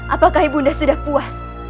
apakah ibu undah sudah puas